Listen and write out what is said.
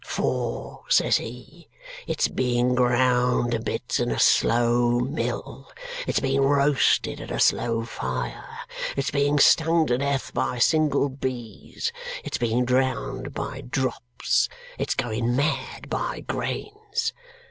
'For,' says he, 'it's being ground to bits in a slow mill; it's being roasted at a slow fire; it's being stung to death by single bees; it's being drowned by drops; it's going mad by grains.'